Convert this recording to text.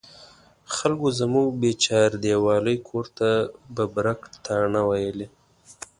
خلکو زموږ بې چاردیوالۍ کور ته ببرک تاڼه ویلې.